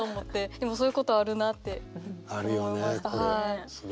でもそういうことあるなって思います。